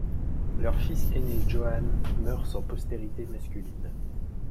Leur fils ainé Johan meurt sans postérité masculine.